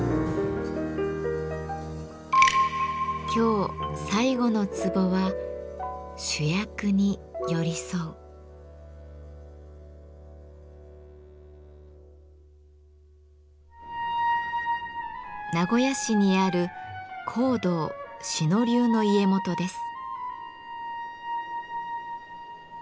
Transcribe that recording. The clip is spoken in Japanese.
今日最後のツボは名古屋市にある香道志野流の家元です。